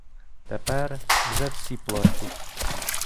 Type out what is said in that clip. Тепер уже всі плачуть.